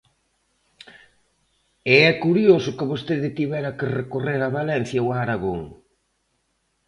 E é curioso que vostede tivera que recorrer a Valencia ou a Aragón.